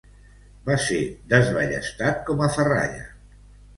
Va ser desballestat com a ferralla.